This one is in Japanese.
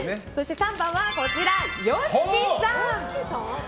３番はＹＯＳＨＩＫＩさん。